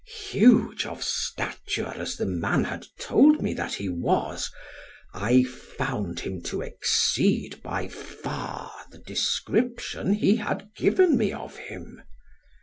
Huge of stature as the man had told me that he was, I found him to exceed by far the description he had given me of him.